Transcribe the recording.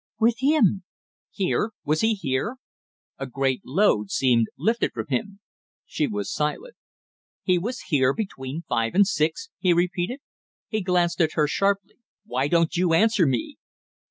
"With him " "Here was he here?" A great load seemed lifted from him. She was silent. "He was here between five and six?" he repeated. He glanced at her sharply. "Why don't you answer me?"